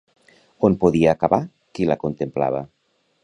On podia acabar qui la contemplava?